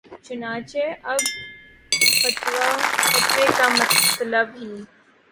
چنانچہ اب فتوے کا مطلب ہی